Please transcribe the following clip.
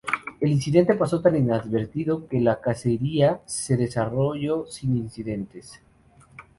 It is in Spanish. El incidente pasó tan inadvertido que la cacería se desarrolló sin incidentes.